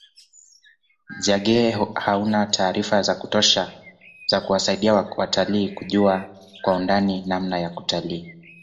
Jaeger hauna taarifa za kutosha za kuwasaidia watalii kujua kwa undani namna ya kutalii